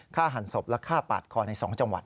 หันศพและฆ่าปาดคอใน๒จังหวัด